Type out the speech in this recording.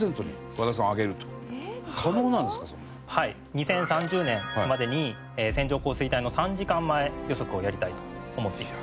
２０３０年までに線状降水帯の３時間前予測をやりたいと思っています。